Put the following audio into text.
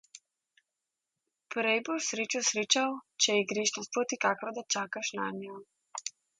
Prej boš srečo srečal, če ji greš naproti, kakor da čakaš nanjo.